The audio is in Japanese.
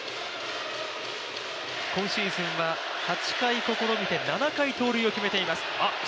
今シーズンは８回試みて７回決めています。